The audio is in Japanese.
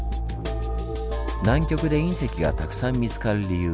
南極で隕石がたくさん見つかる理由。